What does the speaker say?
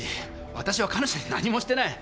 私は彼女に何もしてない。